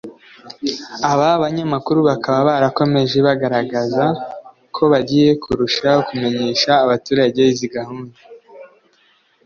Aba banyamakuru bakaba barakomeje bagaragaza ko bagiye kurushaho kumenyesha abaturage izi gahunda